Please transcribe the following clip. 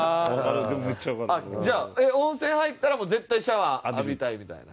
じゃあ温泉入ったらもう絶対シャワー浴びたいみたいな？